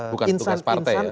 bukan petugas partai ya